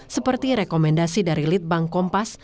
seperti rekomendasi dari litbang kompas